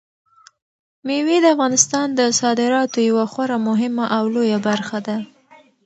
مېوې د افغانستان د صادراتو یوه خورا مهمه او لویه برخه ده.